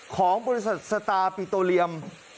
ของบริษัทสตาร์ปิโตเรียม